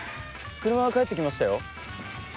車が帰ってきましたよ。